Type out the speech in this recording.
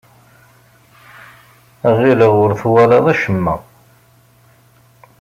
Ɣileɣ ur twalaḍ acemma.